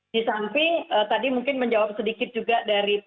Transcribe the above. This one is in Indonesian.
di samping tadi mungkin menjawab sedikit juga dari